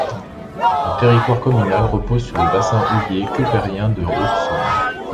Le territoire communal repose sur le bassin houiller keupérien de Haute-Saône.